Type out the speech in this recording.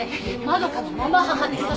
まどかのまま母です。